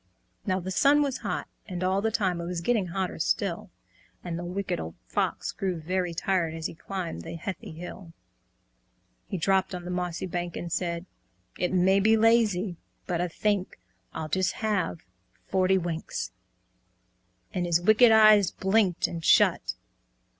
Now the sun was hot, and all the time It was getting hotter still; And the Wicked Old Fox grew very tired As he climbed the heathy hill. He dropped on mossy bank, and said "It may be lazy but I think I'll just have forty winks," And his wicked eyes blinked and shut.